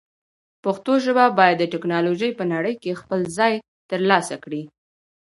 پښتو ژبه باید د ټکنالوژۍ په نړۍ کې خپل ځای ترلاسه کړي.